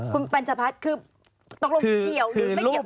คุณปัญชพัฒน์คือตกลงเกี่ยวหรือไม่เกี่ยว